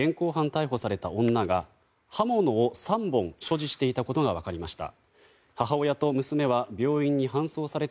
逮捕された女、刃物を３本所持していたことが分かりました。